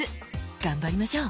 頑張りましょう！